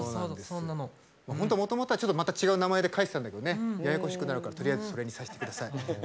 本当、もともとはまた違う名前で書いてたんだけどややこしくなるからとりあえずそれにさせてください。